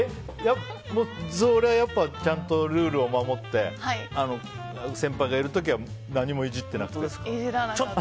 それはやっぱりルールを守って先輩がいる時は何もいじってなくて？